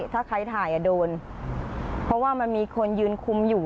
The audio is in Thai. ถ้าใครถ่ายโดนเพราะว่ามันมีคนยืนคุมอยู่